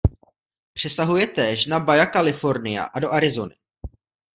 Přesahuje též na Baja California a do Arizony.